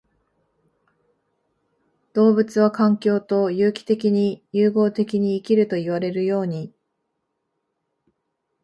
動物は環境と有機的に融合的に生きるといわれるように、